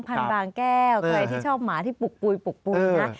พันธุ์บางแก้วใครที่ชอบหมาที่ปุกปุ๋ยนะ